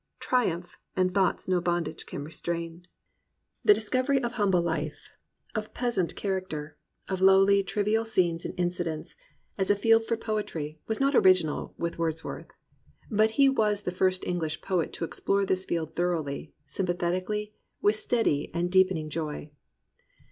Triumph, and. thoughts no bondage can restrain." 215 COMPANIONABLE BOOKS The discovery of humble Ufe, of peasant char acter, of lowly, trivial scenes and incidents, as a field for poetry, was not original with Wordsworth. But he was the first English poet to explore this field thoroughly, sympathetically, with steady and deep ening joy.